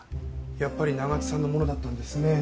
やっぱり長津さんのものだったんですね。